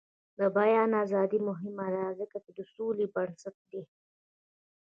د بیان ازادي مهمه ده ځکه چې د سولې بنسټ دی.